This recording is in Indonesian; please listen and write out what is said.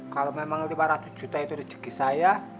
kalau memang lima ratus juta itu rezeki saya